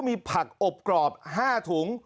มีผักอบกรอบ๕ถุง